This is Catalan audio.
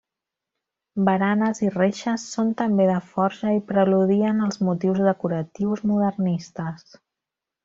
Baranes i reixes són també de forja i preludien els motius decoratius modernistes.